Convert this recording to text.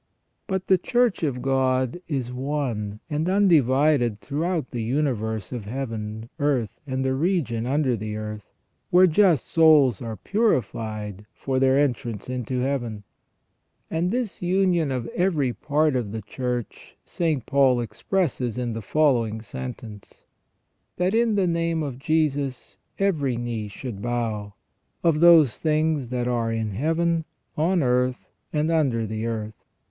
But the Church of God is one and undivided throughout the universe of Heaven, earth, and the region under the earth, where 358 THE REGENERATION OF MAN just souls are purified for their entrance into Heaven. And this union of every part of the Church St. Paul expresses in the following sentence: "That in the name of Jesus every knee should bow, of those things that are in Heaven, on earth, and under the earth.